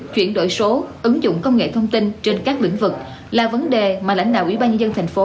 chuyển đổi số ứng dụng công nghệ thông tin trên các lĩnh vực là vấn đề mà lãnh đạo ủy ban nhân dân thành phố